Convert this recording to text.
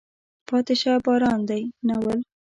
پاتې شه باران دی. ناول